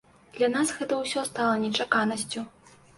Для нас гэта ўсё стала нечаканасцю.